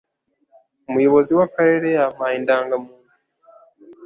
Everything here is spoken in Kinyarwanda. Umuyobozi w'akarere yampaye indangamuntu